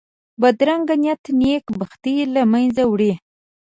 بدرنګه نیت نېک بختي له منځه وړي